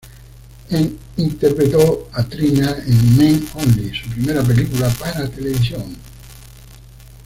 En interpretó a Trina en "Men Only", su primera película para la televisión.